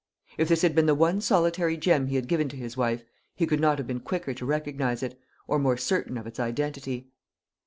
If this had been the one solitary gem he had given to his wife, he could not have been quicker to recognise it, or more certain of its identity.